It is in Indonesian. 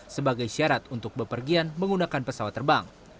sebagai syarat untuk bepergian menggunakan pesawat terbang